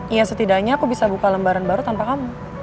ya setidaknya aku bisa buka lembaran baru tanpa kamu